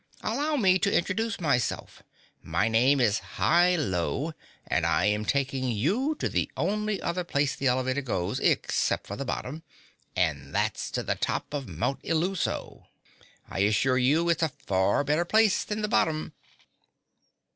Allow me to introduce myself. My name is Hi Lo and I am taking you to the only other place the elevator goes except for the bottom and that's to the top of Mount Illuso. I assure you it's a far better place than the bottom!"